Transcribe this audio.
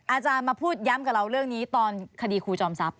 อาจารย์มาพูดย้ำกับเราเรื่องนี้ตอนคดีครูจอมทรัพย